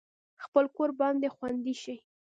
خپل کور باید خوندي شي